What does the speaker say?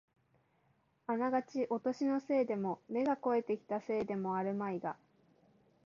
あながちお年のせいでも、目が肥えてきたせいでもあるまいが、